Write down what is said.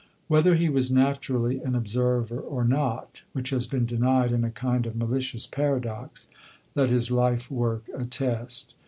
Whether he was naturally an observer or not (which has been denied in a kind of malicious paradox), let his life work attest.